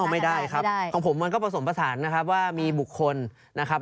ไม่ได้ครับของผมมันก็ผสมผสานนะครับว่ามีบุคคลนะครับ